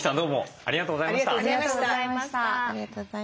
ありがとうございます。